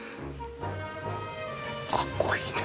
かっこいいね。